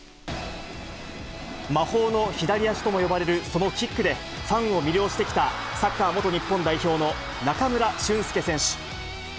魔法の左足とも呼ばれるそのキックで、ファンを魅了してきたサッカー元日本代表の中村俊輔選手。